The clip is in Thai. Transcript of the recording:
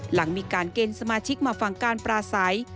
หลังมีการเกณฑ์สมาชิกมาฟังการปราศัย